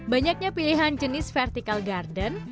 banyaknya pilihan jenis vertical garden